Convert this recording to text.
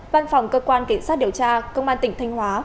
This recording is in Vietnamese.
văn phòng cơ quan cảnh sát điều tra công an tỉnh thanh hóa